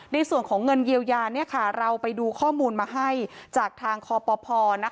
ในส่วนของเงินเยียวยาเราไปดูข้อมูลมาให้จากทางคอปภ